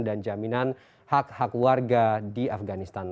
dan jaminan hak hak warga di afganistan